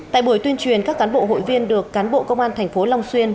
tại buổi tuyên truyền các cán bộ hội viên được cán bộ công an tp long xuyên